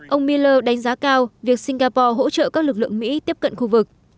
ông mueller đánh giá cao việc singapore hỗ trợ các lực lượng mỹ tiếp cận khu vực